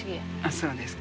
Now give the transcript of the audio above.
そうですか。